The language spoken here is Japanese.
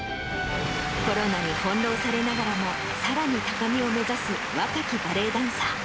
コロナに翻弄されながらも、さらに高みを目指す若きバレエダンサー。